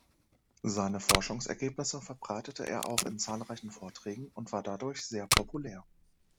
Seine Forschungsergebnisse verbreitete er auch in zahlreichen Vorträgen und war dadurch sehr populär.